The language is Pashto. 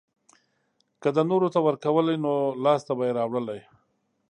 که ده نورو ته ورکولی نو لاسته به يې راوړلی.